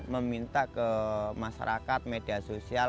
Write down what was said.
meminta ke masyarakat media sosial